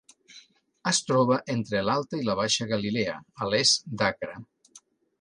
Es troba entre l'Alta i la Baixa Galilea, a l'est d'Acre.